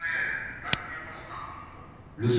あいつに渡してたんだ。